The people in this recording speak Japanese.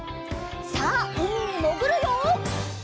さあうみにもぐるよ！